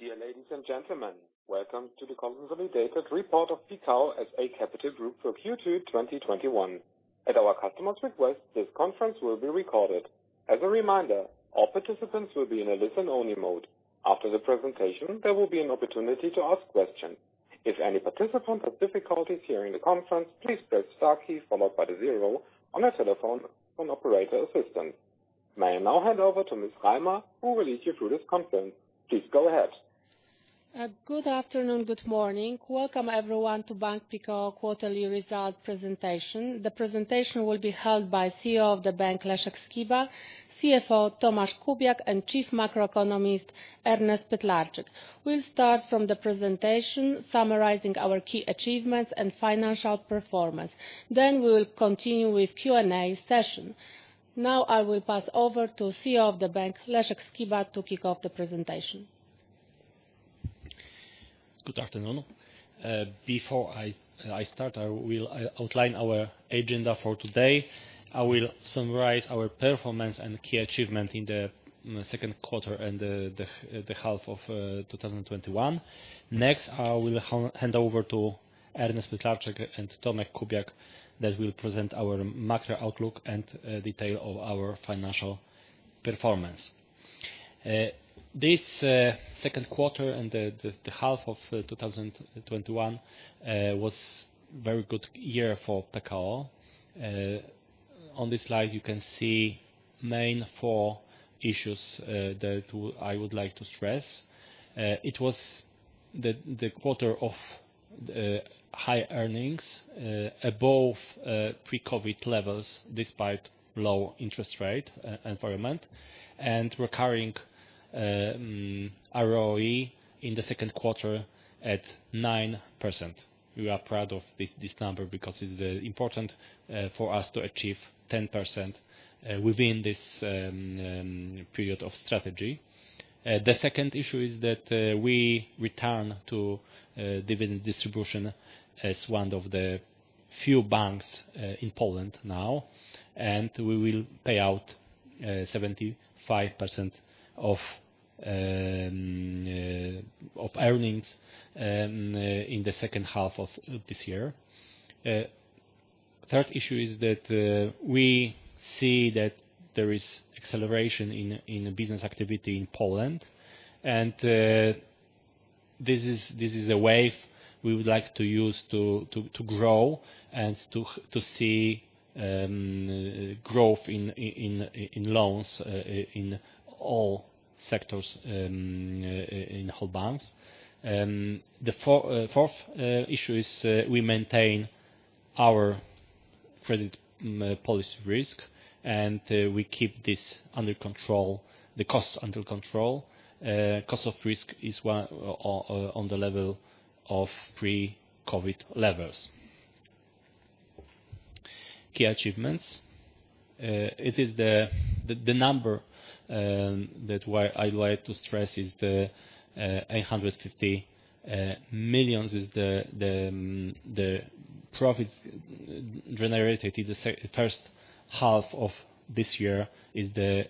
Dear ladies and gentlemen, welcome to the conference consolidated report of Pekao S.A. Capital Group for Q2 2021. At our customer's request, this conference will be recorded. As a reminder, all participants will be in a listen-only mode. After the presentation, there will be an opportunity to ask questions. If any participant has difficulties hearing the conference, please press star key followed by the zero on your telephone for an operator assistant. May I now hand over to Ms. Reimer, who will lead you through this conference. Please go ahead. Good afternoon, good morning. Welcome everyone to Bank Pekao quarterly result presentation. The presentation will be held by CEO of the bank, Leszek Skiba, CFO, Tomasz Kubiak, and Chief Macroeconomist, Ernest Pytlarczyk. We'll start from the presentation summarizing our key achievements and financial performance. We will continue with Q&A session. I will pass over to CEO of the bank, Leszek Skiba, to kick off the presentation. Good afternoon. Before I start, I will outline our agenda for today. I will summarize our performance and key achievement in the second quarter and the half of 2021. I will hand over to Ernest Pytlarczyk and Tomasz Kubiak that will present our macro outlook and detail of our financial performance. This second quarter and the half of 2021 was very good year for Pekao. On this slide, you can see main four issues that I would like to stress. It was the quarter of high earnings above pre-COVID levels despite low interest rate environment and recurring ROE in the second quarter at 9%. We are proud of this number because it's important for us to achieve 10% within this period of strategy. The second issue is that we return to dividend distribution as one of the few banks in Poland now, and we will pay out 75% of earnings in the second half of this year. Third issue is that we see that there is acceleration in business activity in Poland, and this is a wave we would like to use to grow and to see growth in loans, in all sectors, in whole banks. The fourth issue is we maintain our credit policy risk, and we keep the costs under control. Cost of risk is on the level of pre-COVID levels. Key achievements. The number that I'd like to stress is the 850 million is the profits generated in the first half of this year. This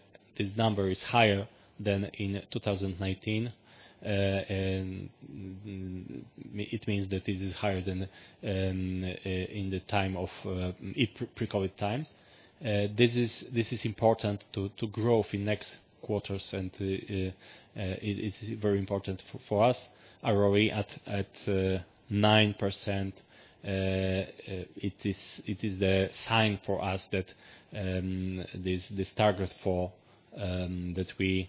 number is higher than in 2019. It means that it is higher than in the pre-COVID times. This is important to grow in next quarters, and it is very important for us. ROE at 9%, it is the sign for us that this target that we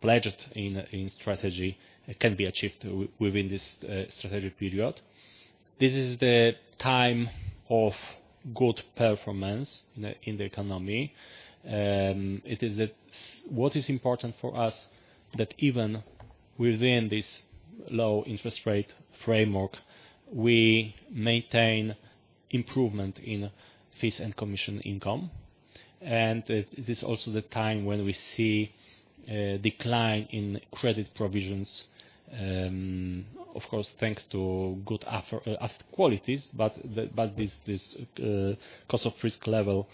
pledged in strategy can be achieved within this strategic period. This is the time of good performance in the economy. What is important for us, that even within this low interest rate framework, we maintain improvement in fees and commission income. It is also the time when we see a decline in credit provisions. Of course, thanks to good asset qualities, but this cost of risk level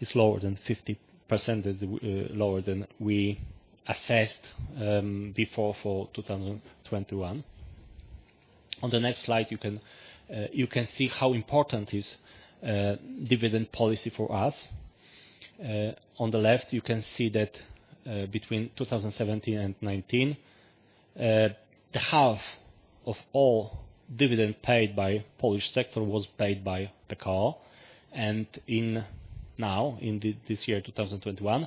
is lower than 50% lower than we assessed before for 2021. On the next slide, you can see how important is dividend policy for us. On the left, you can see that between 2017 and 2019, the half of all dividend paid by Polish sector was paid by Pekao. Now in this year, 2021,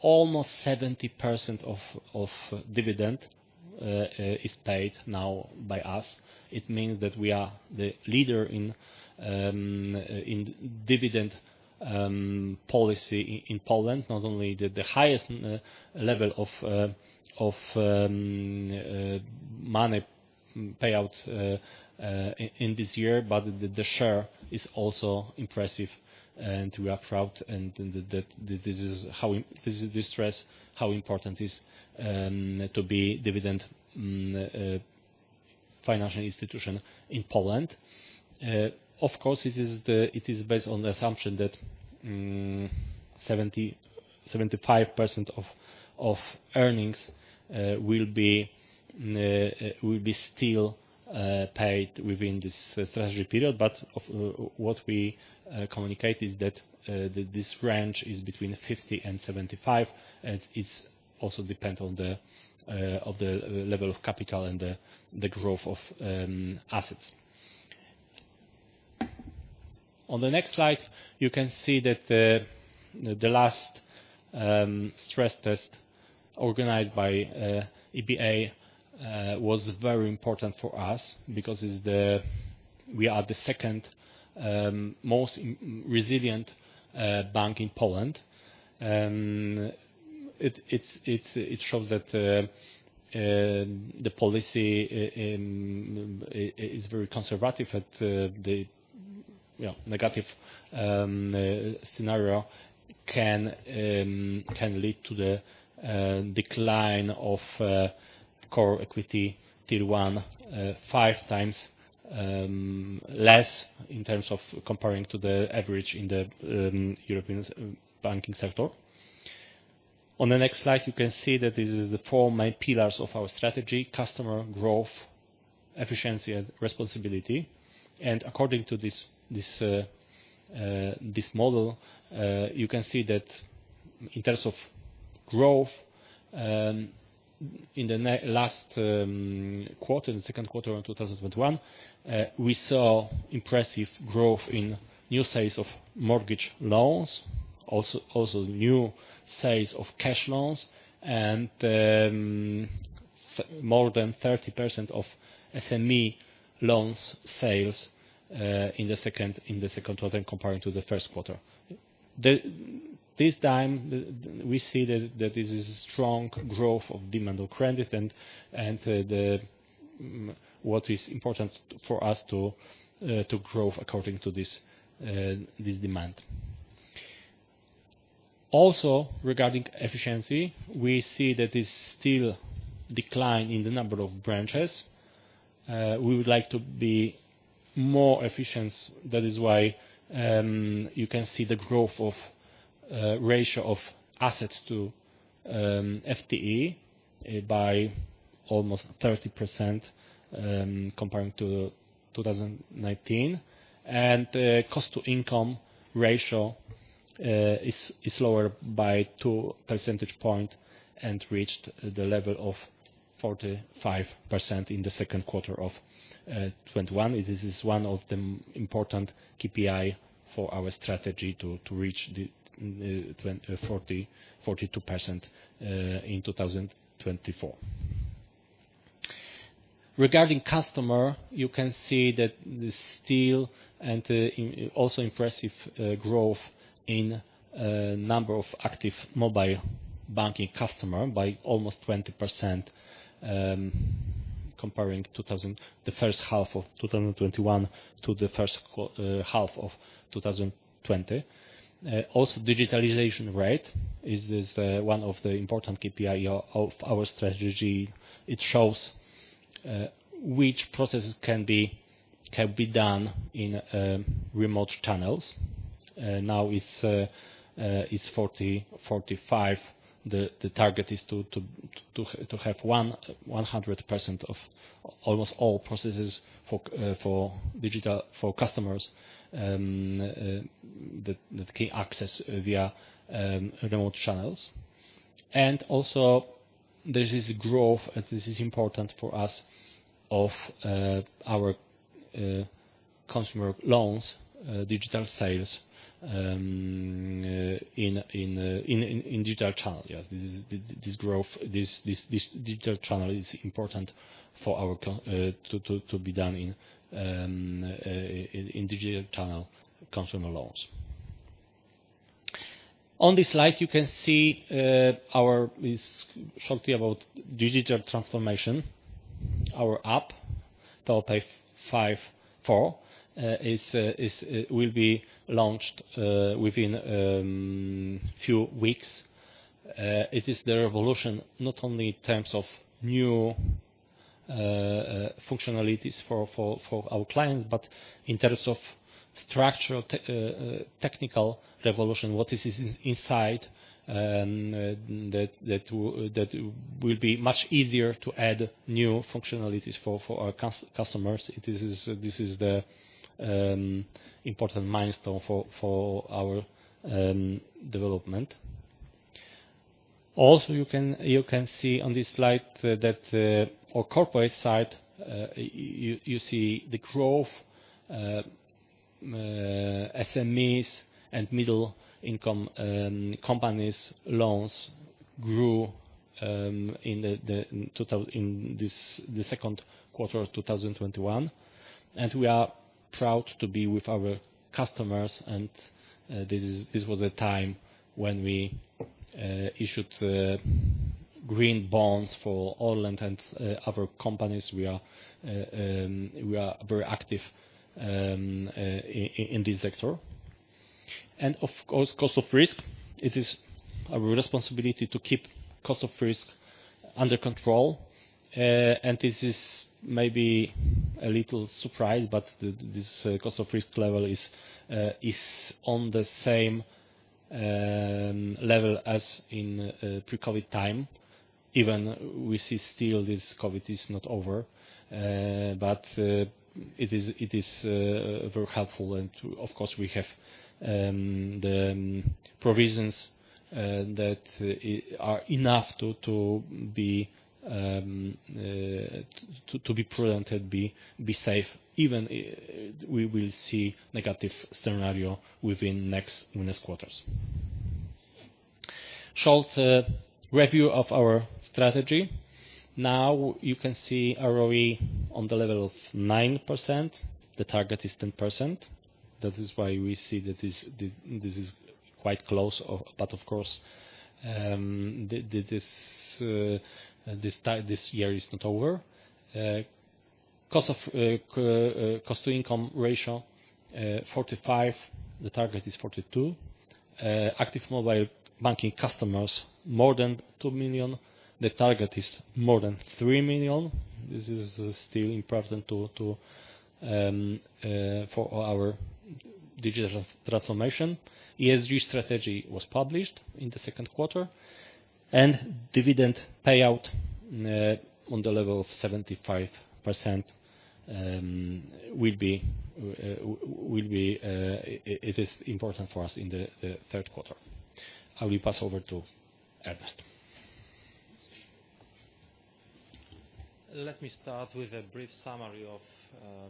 almost 70% of dividend is paid now by us. It means that we are the leader in dividend policy in Poland. Not only the highest level of money payout in this year, but the share is also impressive and we are proud and this stress how important is to be dividend, financial institution in Poland. Of course, it is based on the assumption that 75% of earnings will be still paid within this strategy period, but what we communicate is that this range is between 50% and 75%, and it also depends on the level of capital and the growth of assets. On the next slide, you can see that the last stress test organized by EBA was very important for us, because we are the second most resilient bank in Poland. It shows that the policy is very conservative at the negative scenario, can lead to the decline of core equity Tier 1 5x less in terms of comparing to the average in the European banking sector. On the next slide, you can see that this is the four main pillars of our strategy: customer, growth, efficiency, and responsibility. According to this model, you can see that in terms of growth in the last quarter, in the second quarter of 2021, we saw impressive growth in new sales of mortgage loans, also new sales of cash loans and more than 30% of SME loans sales in the second quarter comparing to the first quarter. This time, we see that this is strong growth of demand for credit and what is important for us to grow according to this demand. Regarding efficiency, we see that it's still decline in the number of branches. We would like to be more efficient. That is why you can see the growth of ratio of assets to FTE by almost 30%, comparing to 2019. Cost to income ratio is lower by two percentage point and reached the level of 45% in the second quarter of 2021. This is one of the important KPI for our strategy to reach the 42% in 2024. Regarding customer, you can see that still and also impressive growth in number of active mobile banking customer by almost 20%, comparing the first half of 2021 to the first half of 2020. Digitalization rate is one of the important KPI of our strategy. It shows which processes can be done in remote channels. Now it's 45%. The target is to have 100% of almost all processes for digital, for customers that can access via remote channels. Also there is growth, and this is important for us of our consumer loans digital sales in digital channel. Yes, this growth, this digital channel is important to be done in digital channel consumer loans. On this slide, you can see our shortly about digital transformation. Our app, PeoPay 5.4, will be launched within few weeks. It is the revolution not only in terms of new functionalities for our clients, but in terms of structural, technical revolution, what is inside that will be much easier to add new functionalities for our customers. This is the important milestone for our development. Also, you can see on this slide that our corporate side you see the growth SMEs and middle income companies loans grew in the second quarter of 2021. We are proud to be with our customers. This was a time when we issued green bonds for Orlen and other companies. We are very active in this sector. Of course, cost of risk. It is our responsibility to keep cost of risk under control. This is maybe a little surprise, but this cost of risk level is on the same level as in pre-COVID time, even we see still this COVID is not over. It is very helpful and of course, we have the provisions that are enough to be presented, be safe, even we will see negative scenario within next quarters. Short review of our strategy. Now you can see ROE on the level of 9%. The target is 10%. That is why we see that this is quite close. Of course, this year is not over. Cost to income ratio, 45%, the target is 42%. Active mobile banking customers, more than 2 million, the target is more than 3 million. This is still important for our digital transformation. ESG strategy was published in the second quarter, dividend payout on the level of 75% it is important for us in the third quarter. I will pass over to Ernest. Let me start with a brief summary of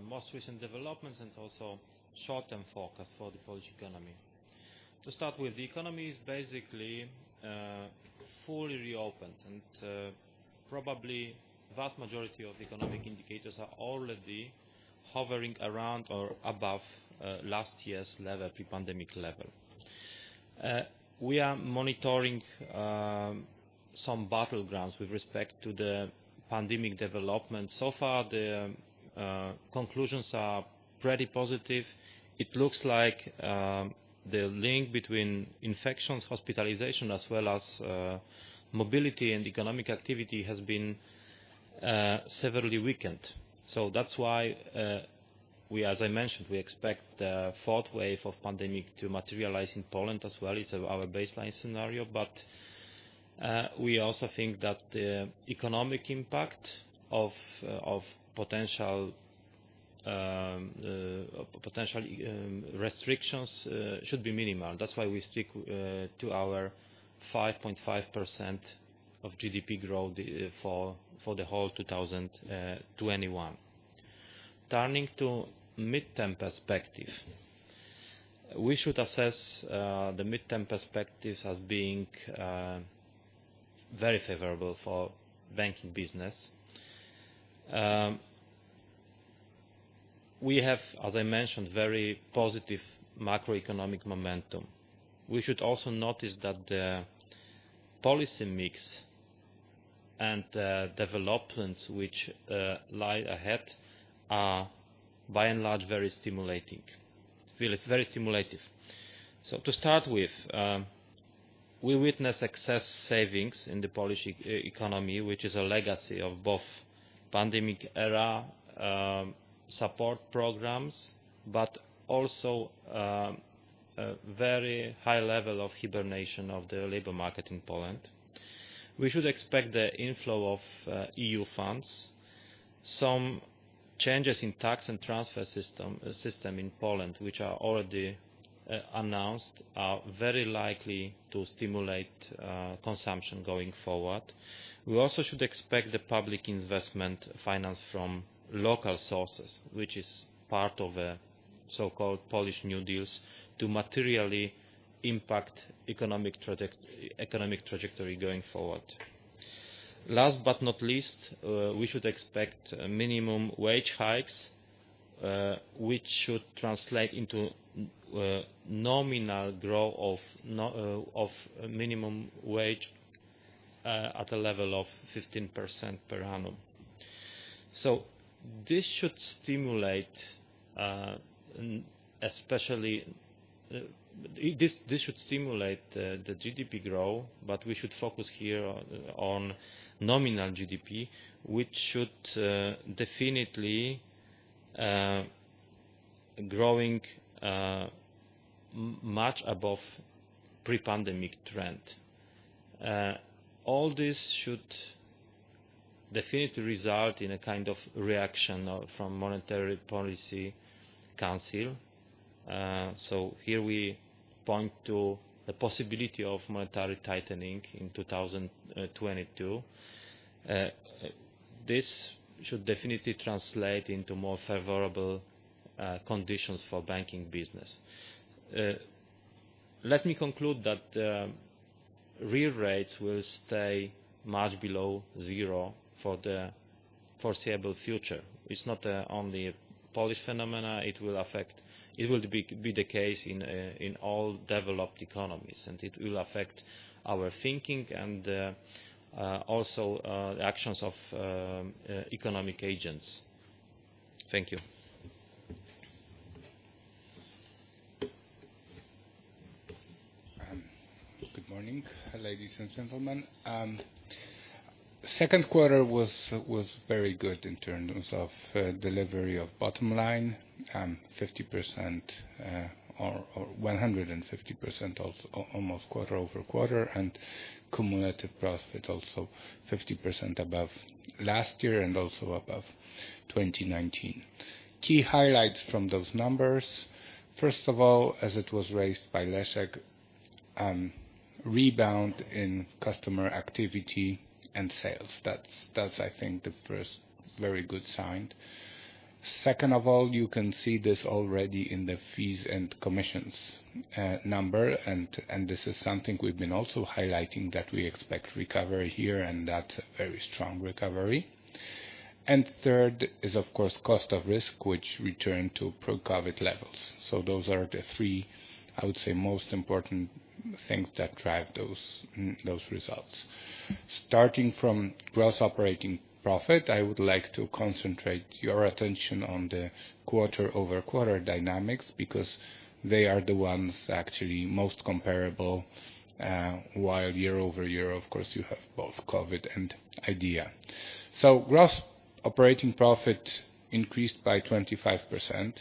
most recent developments and also short-term forecast for the Polish economy. The economy is basically fully reopened and probably vast majority of economic indicators are already hovering around or above last year's level, pre-pandemic level. We are monitoring some battlegrounds with respect to the pandemic development. So far, the conclusions are pretty positive. It looks like the link between infections, hospitalization, as well as mobility and economic activity has been severely weakened. That's why we, as I mentioned, we expect the fourth wave of pandemic to materialize in Poland as well as our baseline scenario. We also think that the economic impact of potential restrictions should be minimal. That's why we stick to our 5.5% of GDP growth for the whole 2021. Turning to midterm perspective. We should assess the midterm perspectives as being very favorable for banking business. We have, as I mentioned, very positive macroeconomic momentum. We should also notice that the policy mix and developments which lie ahead are by and large, very stimulative. To start with, we witness excess savings in the Polish economy, which is a legacy of both pandemic-era support programs, but also a very high level of hibernation of the labor market in Poland. We should expect the inflow of EU funds. Some changes in tax and transfer system in Poland, which are already announced, are very likely to stimulate consumption going forward. We also should expect the public investment finance from local sources, which is part of a so-called Polish New Deal to materially impact economic trajectory going forward. Last but not least, we should expect minimum wage hikes, which should translate into nominal growth of minimum wage at a level of 15% per annum. This should stimulate the GDP growth, but we should focus here on nominal GDP, which should definitely growing much above pre-pandemic trend. All this should definitely result in a kind of reaction from Monetary Policy Council. Here we point to the possibility of monetary tightening in 2022. This should definitely translate into more favorable conditions for banking business. Let me conclude that real rates will stay much below zero for the foreseeable future. It is not only a Polish phenomenon, it will be the case in all developed economies, and it will affect our thinking and also actions of economic agents. Thank you. Good morning, ladies and gentlemen. Second quarter was very good in terms of delivery of bottom line, 150% almost quarter-over-quarter, and cumulative profit also 50% above last year and also above 2019. Key highlights from those numbers. First of all, as it was raised by Leszek, rebound in customer activity and sales. That's I think the first very good sign. Second of all, you can see this already in the fees and commissions number, and this is something we've been also highlighting, that we expect recovery here, and that's a very strong recovery. Third is, of course, cost of risk, which returned to pre-COVID levels. Those are the three, I would say, most important things that drive those results. Starting from gross operating profit, I would like to concentrate your attention on the quarter-over-quarter dynamics because they are the ones actually most comparable, while year-over-year, of course, you have both COVID and Idea. Gross operating profit increased by 25%.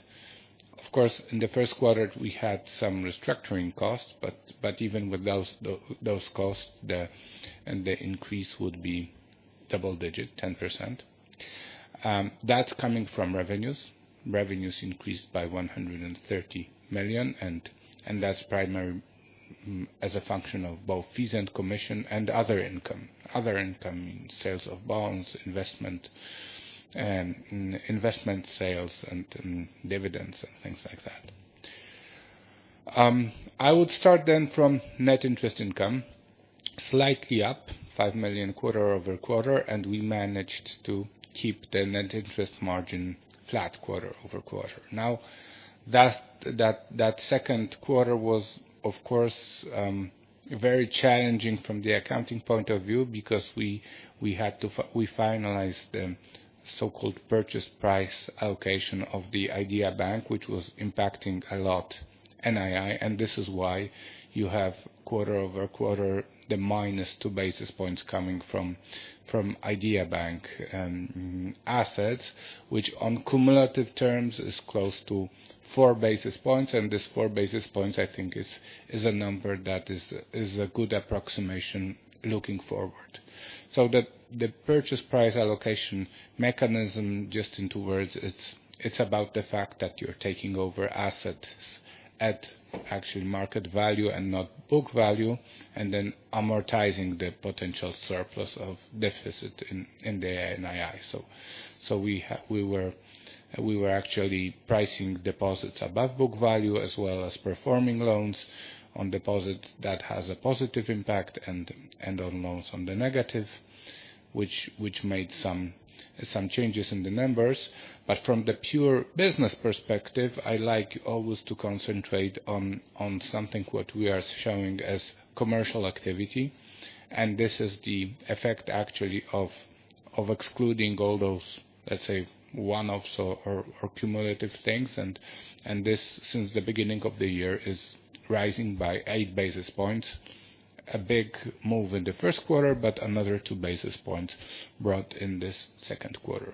Of course, in the first quarter, we had some restructuring costs, but even with those costs, and the increase would be double digit, 10%. That's coming from revenues. Revenues increased by 130 million, that's primarily as a function of both fees and commission and other income. Other income means sales of bonds, investment, and investment sales and dividends and things like that. I would start from net interest income, slightly up 5 million quarter-over-quarter, we managed to keep the net interest margin flat quarter-over-quarter. Now, that second quarter was, of course, very challenging from the accounting point of view because we finalized the so-called purchase price allocation of the Idea Bank, which was impacting a lot NII, and this is why you have quarter-over-quarter, the -2 basis points coming from Idea Bank assets, which on cumulative terms is close to 4 basis points, and these 4 basis points, I think is a number that is a good approximation looking forward. The purchase price allocation mechanism, just in two words, it's about the fact that you're taking over assets at actual market value and not book value, and then amortizing the potential surplus of deficit in the NII. We were actually pricing deposits above book value as well as performing loans. On deposits, that has a positive impact, and on loans on the negative, which made some changes in the numbers. From the pure business perspective, I like always to concentrate on something what we are showing as commercial activity, and this is the effect, actually, of excluding all those, let's say, one-offs or cumulative things, and this, since the beginning of the year, is rising by 8 basis points. A big move in the first quarter, but another 2 basis points brought in this second quarter.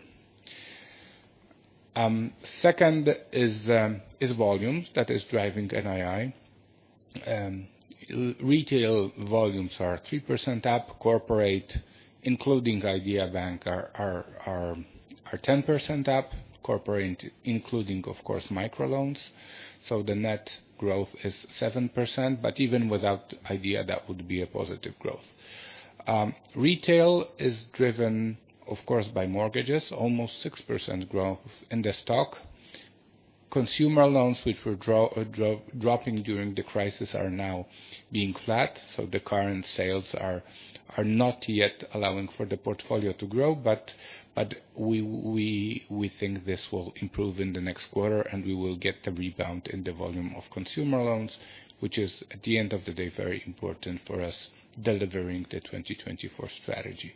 Second is volumes that is driving NII. Retail volumes are 3% up. Corporate, including Idea Bank, are 10% up. Corporate including, of course, microloans. The net growth is 7%, but even without Idea, that would be a positive growth. Retail is driven, of course, by mortgages, almost 6% growth in the stock. Consumer loans, which were dropping during the crisis, are now being flat, so the current sales are not yet allowing for the portfolio to grow, but we think this will improve in the next quarter, and we will get the rebound in the volume of consumer loans, which is, at the end of the day, very important for us delivering the 2024 strategy.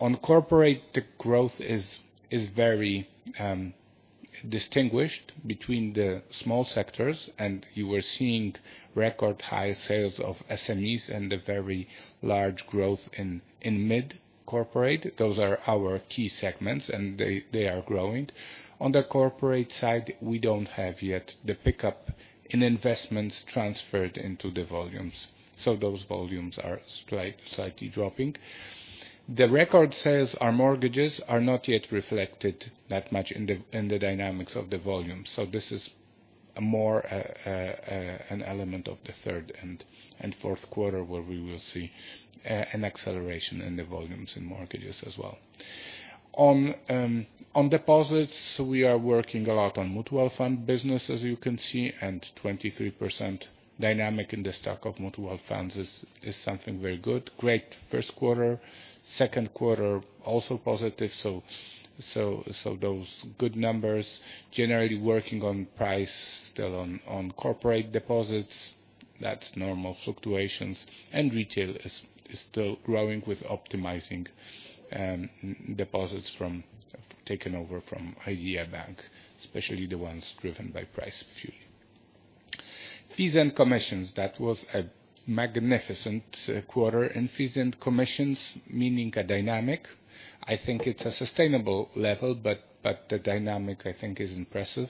On corporate, the growth is very distinguished between the small sectors, and you were seeing record high sales of SMEs and the very large growth in mid-corporate. Those are our key segments, and they are growing. On the corporate side, we don't have yet the pickup in investments transferred into the volumes. Those volumes are slightly dropping. The record sales of mortgages are not yet reflected that much in the dynamics of the volume. This is more an element of the third and fourth quarter, where we will see an acceleration in the volumes in mortgages as well. On deposits, we are working a lot on mutual fund business, as you can see, and 23% dynamic in the stock of mutual funds is something very good. Great first quarter, second quarter also positive. Those good numbers. Generally working on price, still on corporate deposits. That's normal fluctuations, and retail is still growing with optimizing deposits taken over from Idea Bank, especially the ones driven by price fueling. Fees and commissions. That was a magnificent quarter in fees and commissions, meaning a dynamic. I think it's a sustainable level, but the dynamic, I think, is impressive.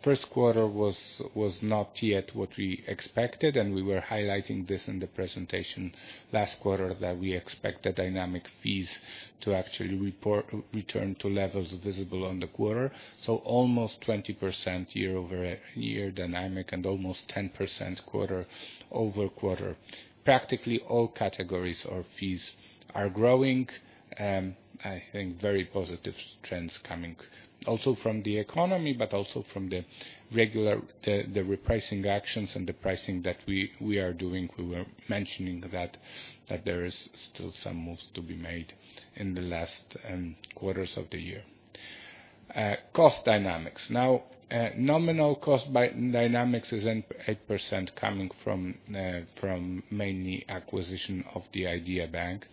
First quarter was not yet what we expected. We were highlighting this in the presentation last quarter, that we expect the dynamic fees to actually return to levels visible on the quarter. Almost 20% year-over-year dynamic and almost 10% quarter-over-quarter. Practically all categories of fees are growing. I think very positive trends coming also from the economy, but also from the repricing actions and the pricing that we are doing. We were mentioning that there is still some moves to be made in the last quarters of the year. Cost dynamics. Nominal cost by dynamics is 8% coming from mainly acquisition of the Idea Bank.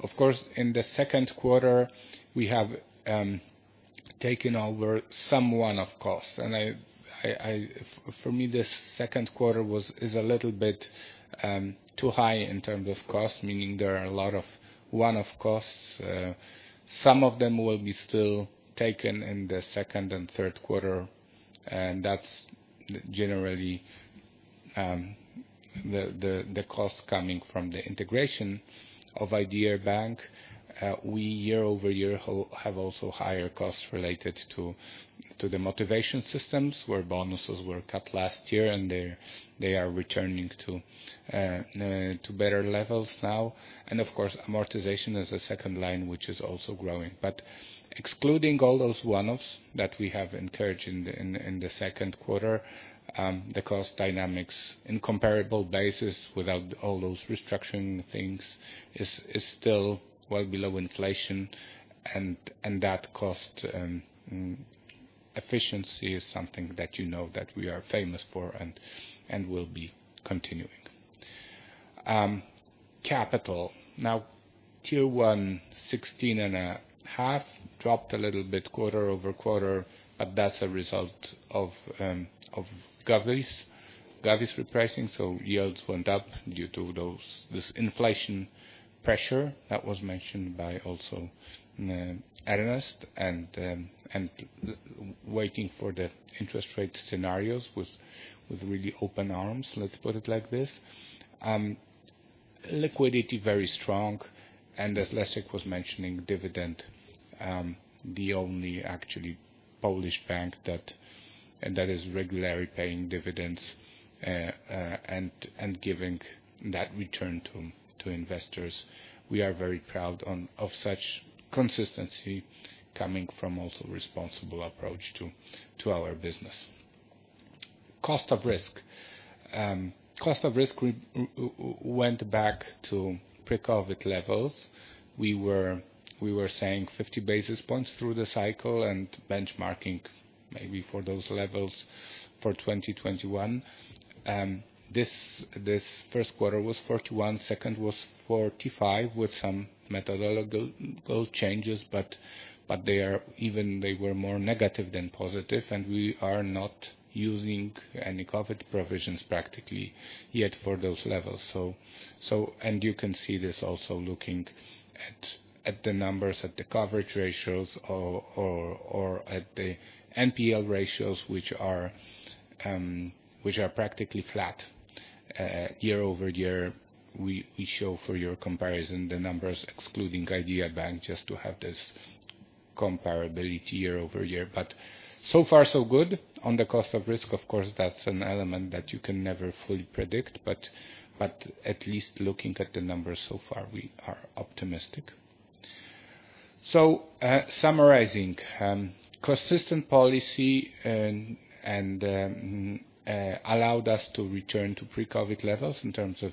Of course, in the second quarter, we have taken over some one-off costs. For me, this second quarter is a little bit too high in terms of cost, meaning there are a lot of one-off costs. Some of them will be still taken in the second and third quarter, that's generally the cost coming from the integration of Idea Bank. We, year-over-year, have also higher costs related to the motivation systems, where bonuses were cut last year, and they are returning to better levels now. Of course, amortization is the second line, which is also growing. Excluding all those one-offs that we have incurred in the second quarter, the cost dynamics in comparable basis, without all those restructuring things, is still well below inflation. That cost efficiency is something that you know that we are famous for and will be continuing. Capital. Now, Tier 1, 16.5, dropped a little bit quarter-over-quarter, but that's a result of govies repricing. Yields went up due to this inflation pressure that was mentioned by also Ernest, and waiting for the interest rate scenarios with really open arms, let's put it like this. Liquidity, very strong. As Leszek was mentioning, dividend, the only actually Polish bank that is regularly paying dividends and giving that return to investors. We are very proud of such consistency coming from also responsible approach to our business. Cost of risk. Cost of risk went back to pre-COVID levels. We were saying 50 basis points through the cycle and benchmarking maybe for those levels for 2021. This first quarter was 41, second was 45 with some methodological changes, but even they were more negative than positive, and we are not using any COVID provisions practically yet for those levels. You can see this also looking at the numbers, at the coverage ratios, or at the NPL ratios, which are practically flat year-over-year. We show for your comparison the numbers excluding Idea Bank just to have this comparability year-over-year. So far so good on the cost of risk. Of course, that's an element that you can never fully predict, but at least looking at the numbers so far, we are optimistic. Summarizing. Consistent policy allowed us to return to pre-COVID levels in terms of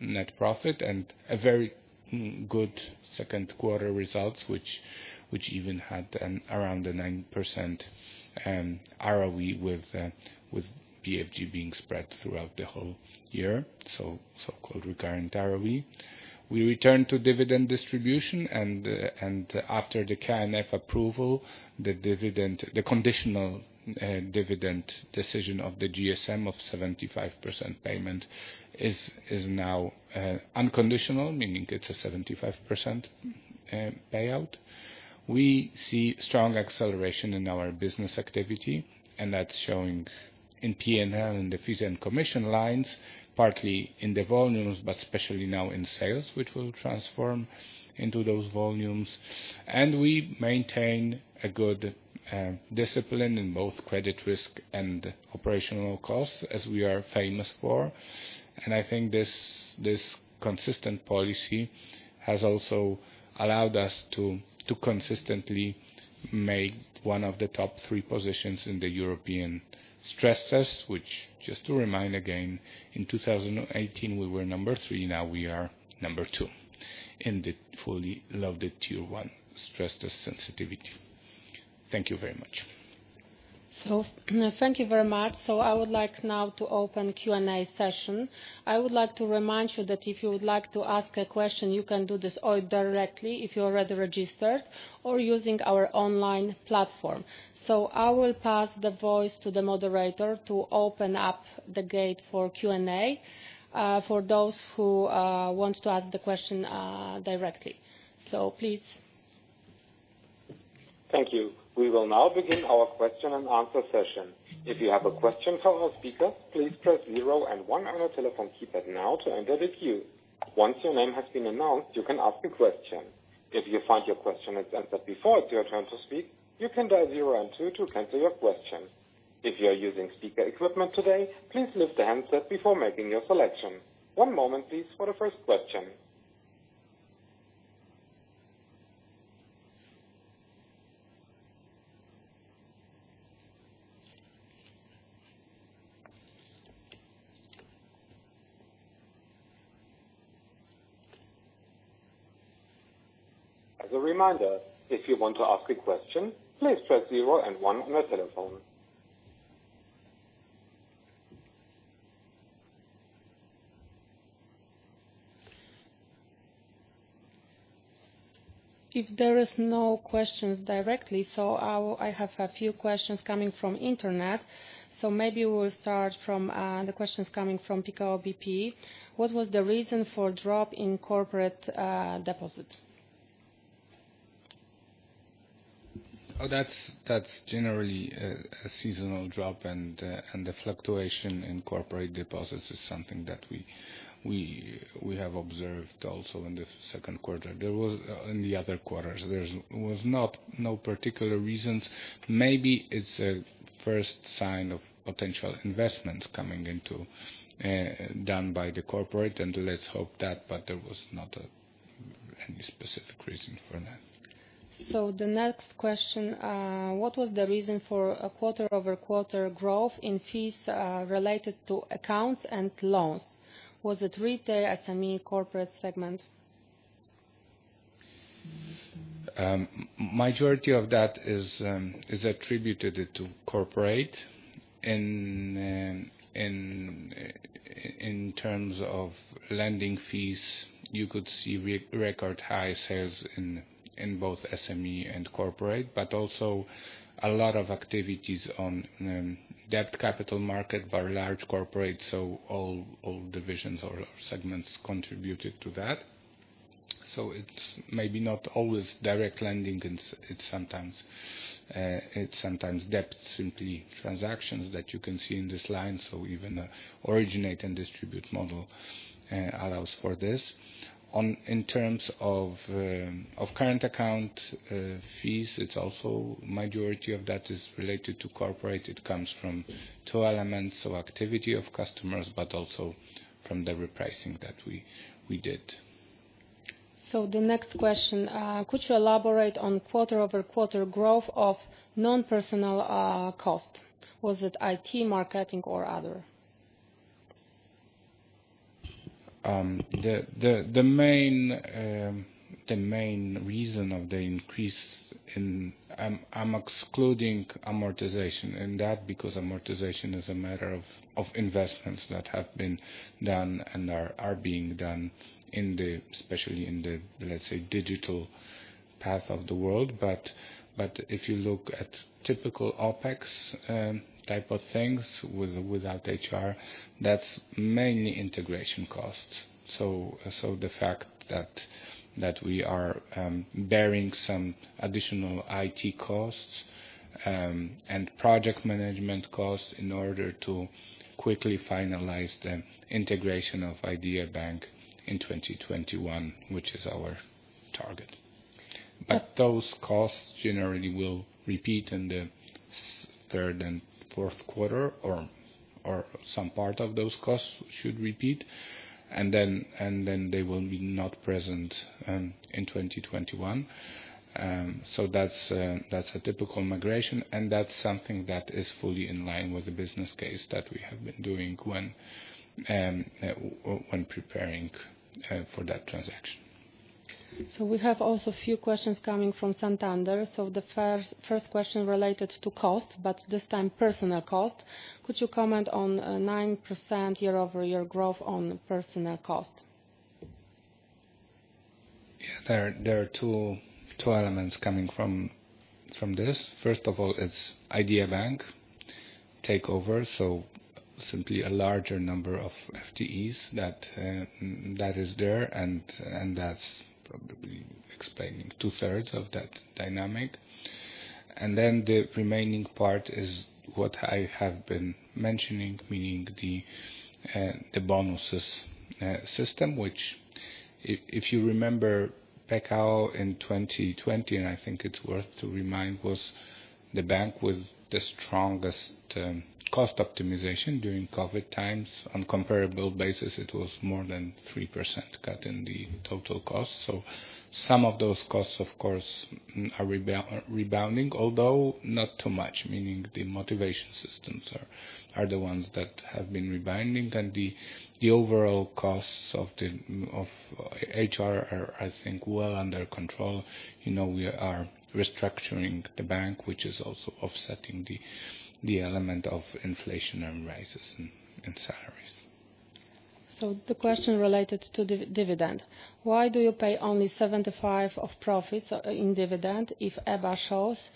net profit and a very good second quarter results, which even had around a 9% ROE with BFG being spread throughout the whole year, so-called recurrent ROE. We return to dividend distribution, and after the KNF approval, the conditional dividend decision of the GSM of 75% payment is now unconditional, meaning it's a 75% payout. We see strong acceleration in our business activity, that's showing in P&L in the fees and commission lines, partly in the volumes, but especially now in sales, which will transform into those volumes. We maintain a good discipline in both credit risk and operational costs, as we are famous for. I think this consistent policy has also allowed us to consistently make one of the top three positions in the European stress test, which just to remind again, in 2018, we were number three, now we are number two in the fully loaded Tier 1 stress test sensitivity. Thank you very much. Thank you very much. I would like now to open Q&A session. I would like to remind you that if you would like to ask a question, you can do this or directly if you already registered or using our online platform. I will pass the voice to the moderator to open up the gate for Q&A, for those who want to ask the question directly. Please. Thank you. We will now begin our question and answer session. If you have a question for our speaker, please press zero and one on your telephone keypad now to enter the queue. Once your name has been announced, you can ask a question. If you find your question has answered before it's your turn to speak, you can dial zero and two to cancel your question. If you are using speaker equipment today, please lift the handset before making your selection. One moment please, for the first question. As a reminder, if you want to ask a question, please press zero and one on your telephone. If there is no questions directly, I have a few questions coming from Internet. Maybe we'll start from the questions coming from Pekao BP. What was the reason for drop in corporate deposit? That's generally a seasonal drop and the fluctuation in corporate deposits is something that we have observed also in the second quarter. In the other quarters, there was no particular reason. Maybe it's a first sign of potential investments coming into, done by the corporate, and let's hope that, but there was not any specific reason for that. The next question, what was the reason for a quarter-over-quarter growth in fees related to accounts and loans? Was it retail, SME, corporate segment? Majority of that is attributed to corporate. In terms of lending fees, you could see record high sales in both SME and corporate, also a lot of activities on debt capital market by large corporate. All divisions or segments contributed to that. It's maybe not always direct lending. It's sometimes debt, simply transactions that you can see in this line. Even the originate and distribute model allows for this. In terms of current account fees, it's also majority of that is related to corporate. It comes from two elements, so activity of customers, but also from the repricing that we did. The next question. Could you elaborate on quarter-over-quarter growth of non-personal cost? Was it IT, marketing or other? The main reason of the increase in I'm excluding amortization, because amortization is a matter of investments that have been done and are being done especially in the, let's say, digital path of the world. If you look at typical OpEx type of things without HR, that's mainly integration costs. The fact that we are bearing some additional IT costs and project management costs in order to quickly finalize the integration of Idea Bank in 2021, which is our target. Those costs generally will repeat in the third and fourth quarter or some part of those costs should repeat, then they will be not present in 2021. That's a typical migration, that's something that is fully in line with the business case that we have been doing when preparing for that transaction. We have also a few questions coming from Santander. The first question related to cost, but this time personnel cost. Could you comment on a 9% year-over-year growth on personnel cost? There are two elements coming from this. First of all, it's Idea Bank takeover. Simply a larger number of FTEs that is there, and that's probably explaining 2/3 of that dynamic. The remaining part is what I have been mentioning, meaning the bonuses system, which if you remember Pekao in 2020, and I think it's worth to remind, was the bank with the strongest cost optimization during COVID times. On comparable basis, it was more than 3% cut in the total cost. Some of those costs of course, are rebounding, although not too much, meaning the motivation systems are the ones that have been rebounding, and the overall costs of HR are, I think, well under control. We are restructuring the bank, which is also offsetting the element of inflation and rises and such. The question related to dividend. Why do you pay only 75% of profits in dividend if EBA shows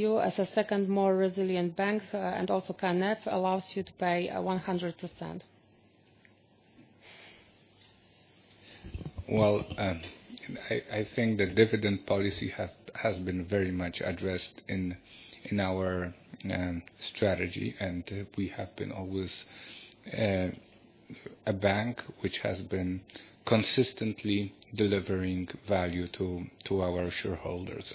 you as a second more resilient bank and also KNF allows you to pay 100%? Well, I think the dividend policy has been very much addressed in our strategy, and we have been always a bank which has been consistently delivering value to our shareholders.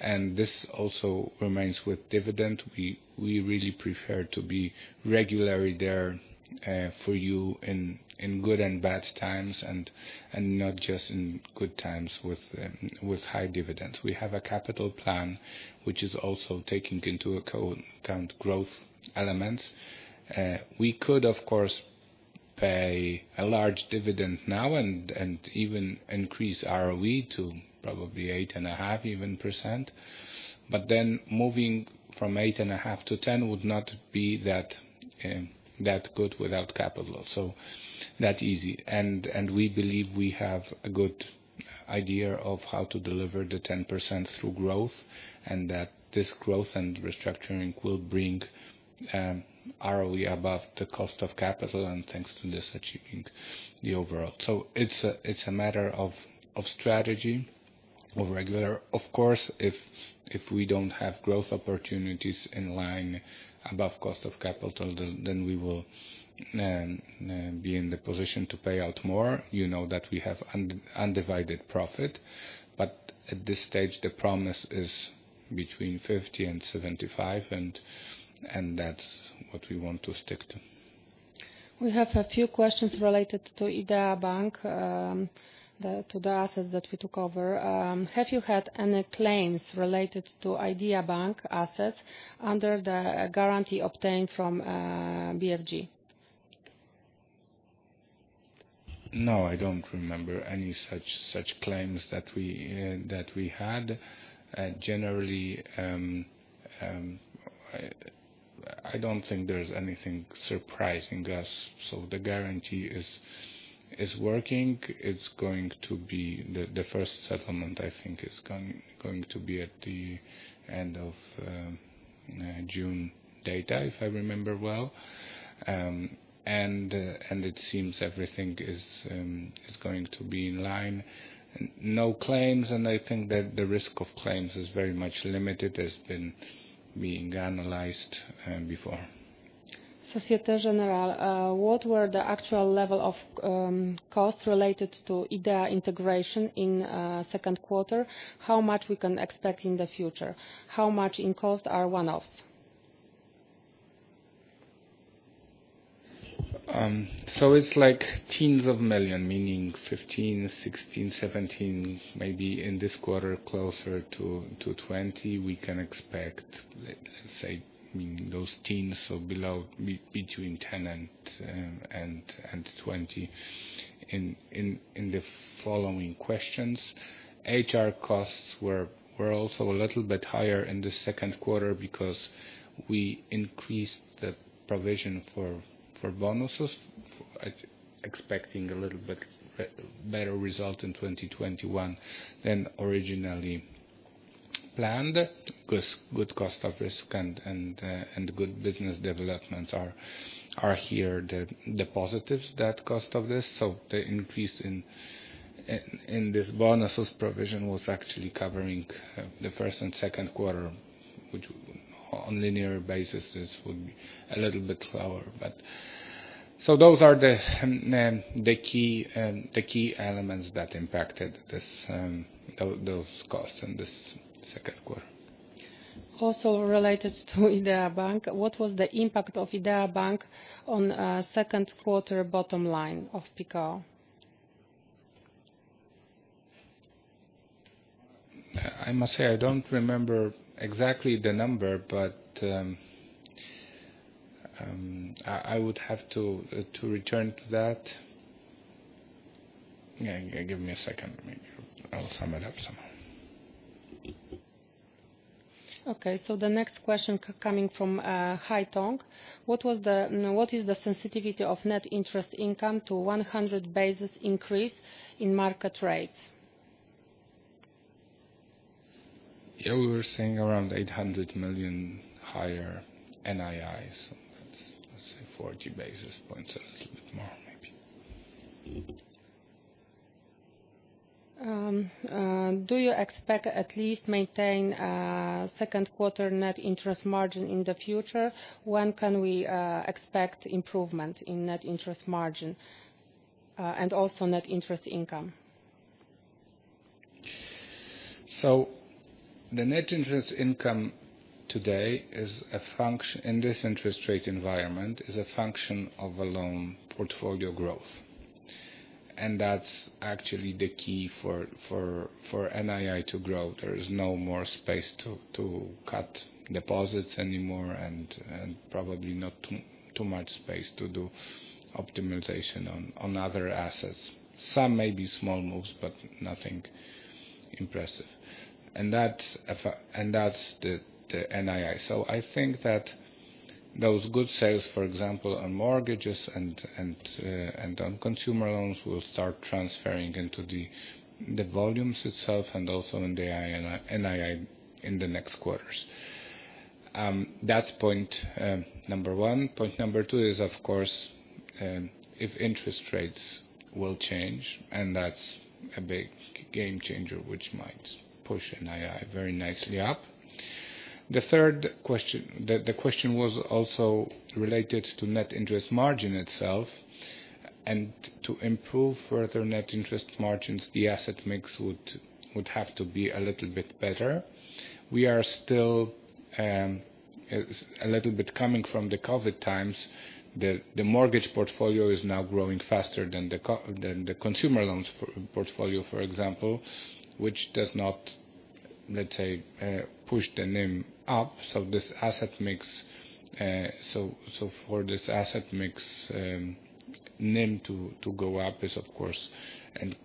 This also remains with dividend. We really prefer to be regularly there for you in good and bad times and not just in good times with high dividends. We have a capital plan which is also taking into account growth elements. We could, of course, pay a large dividend now and even increase ROE to probably 8.5%. Moving from 8.5% to 10% would not be that good without capital. That easy. We believe we have a good idea of how to deliver the 10% through growth, and that this growth and restructuring will bring ROE above the cost of capital and thanks to this, achieving the overall. It's a matter of strategy of regular. Of course, if we don't have growth opportunities in line above cost of capital, then we will be in the position to pay out more, you know that we have undivided profit. At this stage, the promise is between 50% and 75%, and that's what we want to stick to. We have a few questions related to Idea Bank, to the assets that we took over. Have you had any claims related to Idea Bank assets under the guarantee obtained from BFG? No, I don't remember any such claims that we had. Generally, I don't think there's anything surprising us. The guarantee is working. The first settlement I think is going to be at the end of June data, if I remember well. It seems everything is going to be in line. No claims, and I think that the risk of claims is very much limited, has been being analyzed before. Societe Generale, what were the actual level of costs related to Idea integration in second quarter? How much we can expect in the future? How much in cost are one-offs? It's tens of million, meaning 15 million, 16 million, 17 million, maybe in this quarter, closer to 20 million, we can expect those tens, below between 10 million and 20 million in the following questions. HR costs were also a little bit higher in the second quarter because we increased the provision for bonuses, expecting a little bit better result in 2021 than originally planned because good cost of risk and good business developments are here the positives that cost of this. The increase in this bonuses provision was actually covering the first and second quarter, which on linear basis, this would be a little bit lower. Those are the key elements that impacted those costs in this second quarter. Related to Idea Bank, what was the impact of Idea Bank on second quarter bottom line of Pekao? I must say I don't remember exactly the number. I would have to return to that. Yeah, give me a second. Maybe I'll sum it up somehow. Okay. The next question coming from Haitong. What is the sensitivity of net interest income to 100 basis points increase in market rates? Yeah, we were seeing around 800 million higher NII, let's say 40 basis points, a little bit more maybe. Do you expect at least maintain second quarter net interest margin in the future? When can we expect improvement in net interest margin and also net interest income? The net interest income today in this interest rate environment is a function of a loan portfolio growth. That's actually the key for NII to grow. There is no more space to cut deposits anymore and probably not too much space to do optimization on other assets. Some may be small moves, but nothing impressive. That's the NII. I think that those good sales, for example, on mortgages and on consumer loans, will start transferring into the volumes itself and also in the NII in the next quarters. That's point number one. Point number two is, of course, if interest rates will change, and that's a big game changer, which might push NII very nicely up. The question was also related to net interest margin itself. To improve further net interest margins, the asset mix would have to be a little bit better. We are still a little bit coming from the COVID times. The mortgage portfolio is now growing faster than the consumer loans portfolio, for example, which does not, let's say, push the NIM up. For this asset mix NIM to go up is, of course,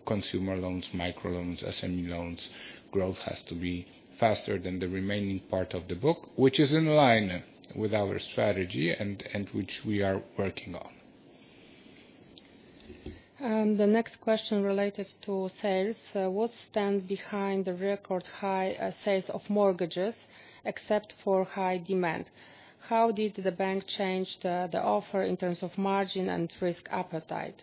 consumer loans, microloans, SME loans. Growth has to be faster than the remaining part of the book, which is in line with our strategy and which we are working on. The next question related to sales. What stands behind the record high sales of mortgages except for high demand? How did the bank change the offer in terms of margin and risk appetite?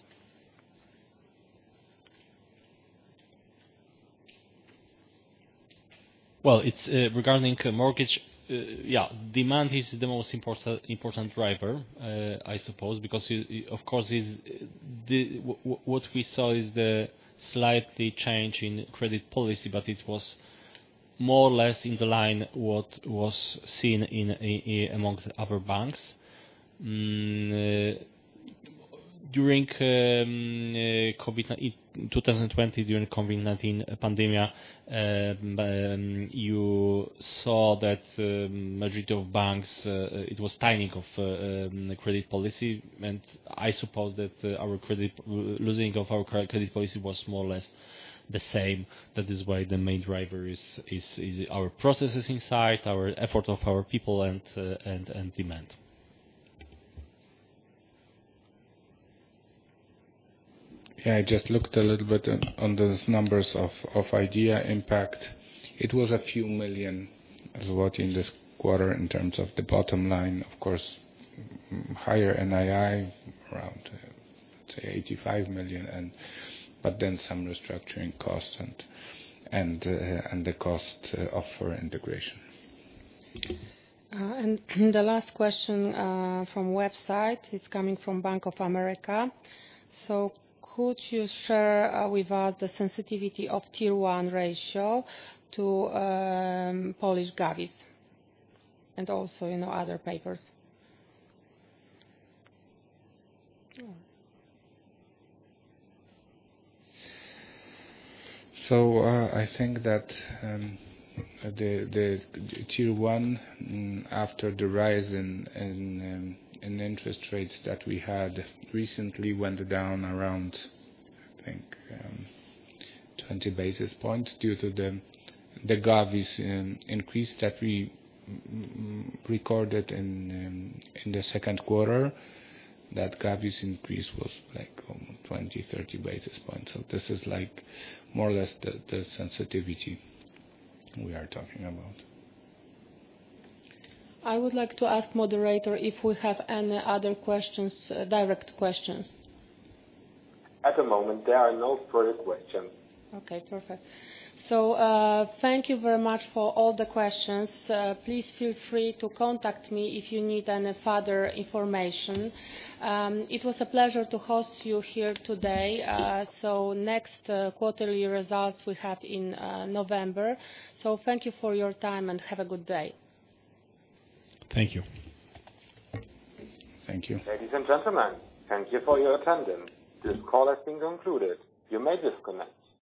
Regarding mortgage, demand is the most important driver, I suppose, because what we saw is the slight change in credit policy, but it was more or less in the line what was seen amongst other banks. During 2020, during COVID-19 pandemic, you saw that majority of banks, it was timing of credit policy. I suppose that losing of our credit policy was more or less the same. That is why the main driver is our processes inside, our effort of our people, and demand. Yeah, I just looked a little bit on those numbers of Idea Bank impact. It was a few million PLN in this quarter in terms of the bottom line. Of course, higher NII, around, say, 85 million, but then some restructuring costs and the cost of integration. The last question from website is coming from Bank of America. Could you share with us the sensitivity of Tier 1 ratio to Polish govies and also other papers? I think that the Tier 1, after the rise in interest rates that we had recently, went down around, I think, 20 basis points due to the govies increase that we recorded in the second quarter. That govies increase was like, 20, 30 basis points. This is more or less the sensitivity we are talking about. I would like to ask moderator if we have any other direct questions? At the moment, there are no further questions. Okay, perfect. Thank you very much for all the questions. Please feel free to contact me if you need any further information. It was a pleasure to host you here today. Next quarterly results we have in November. Thank you for your time and have a good day. Thank you. Thank you. Ladies and gentlemen, thank you for your attendance. This call has been concluded. You may disconnect.